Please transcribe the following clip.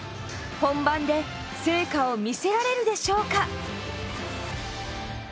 本番で成果を見せられるでしょうか？